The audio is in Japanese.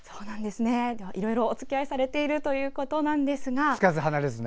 いろいろおつきあいされているということなんですが。